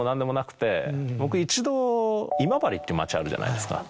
僕一度今治っていう町あるじゃないですか。